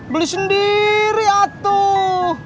beli sendiri atuh